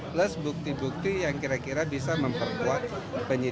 plus bukti bukti yang kira kira berhubungan dengan kasus ktp elektronik